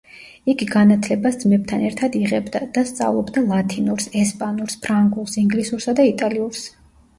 იგი განათლებას ძმებთან ერთად იღებდა და სწავლობდა ლათინურს, ესპანურს, ფრანგულს, ინგლისურსა და იტალიურს.